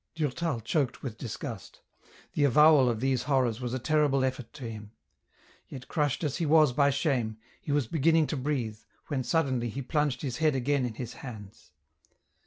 Durtal choked with disgust ; the avowal of these horrors was a terrible effort to him ; yet crushed as he was by shame, he was beginning to breathe, when suddenly he plunged his head again in his hands.